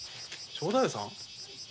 正太夫さん？